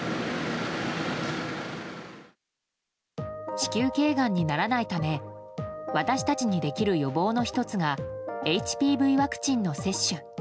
子宮頸がんにならないため私たちにできる予防の１つがＨＰＶワクチンの接種。